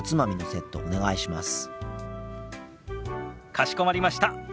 かしこまりました。